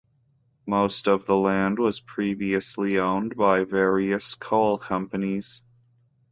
Most of the land was previously owned by various coal companies.